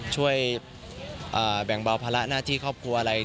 ช่วยแบ่งเบาภาระหน้าที่ครอบครัวอะไร